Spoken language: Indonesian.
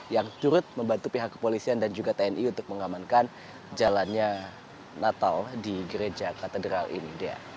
yang turut membantu pihak kepolisian dan juga tni untuk mengamankan jalannya natal di gereja katedral ini